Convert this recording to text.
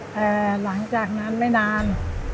แต่หลังจากนั้นไม่นาน